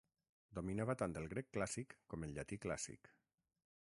Dominava tant el grec clàssic com el llatí clàssic.